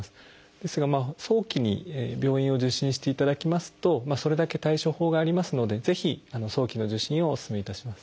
ですが早期に病院を受診していただきますとそれだけ対処法がありますのでぜひ早期の受診をおすすめいたします。